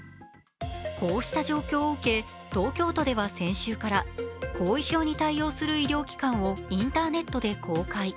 こうした状況を受け、東京都では先週から後遺症に対応する医療機関をインターネットで公開。